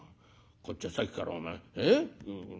こっちはさっきからお前ええ？